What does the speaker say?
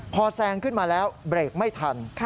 พอแซงขึ้นมาแล้วเบรกไม่ทัน